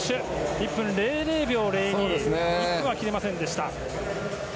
１分００秒０２で１分は切れませんでした。